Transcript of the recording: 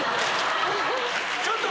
ちょっと。